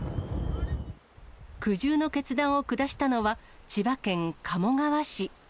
苦渋の決断を下したのは、千葉県鴨川市。